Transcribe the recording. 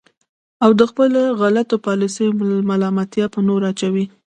او د خپلو غلطو پالیسیو ملامتیا په نورو واچوي.